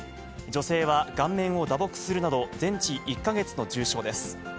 女性は顔面を打撲するなど、全治１か月の重傷です。